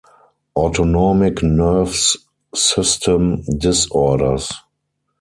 Autonomic nerves system disorders.